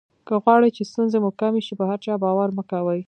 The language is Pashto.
که غواړی چې ستونزې مو کمې شي په هر چا باور مه کوئ.